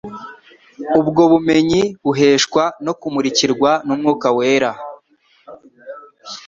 Ubwo bumenyi buheshwa no kumurikirwa n'Umwuka Wera.